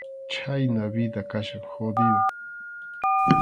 Chhayna vida kachkan jodido.